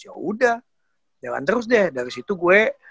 yaudah jalan terus deh dari situ gue